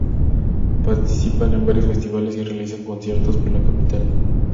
Participan en varios festivales y realizan conciertos por la capital.